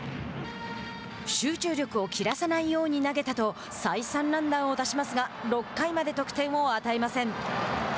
「集中力を切らさないように投げた」と再三ランナーを出しますが６回まで得点を与えません。